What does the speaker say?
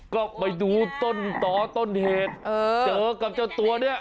ก็ไปดูต้นต่อต้นเหตุเจอกับเจ้าตัวเนี่ย